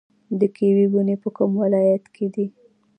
د کیوي ونې په کوم ولایت کې دي؟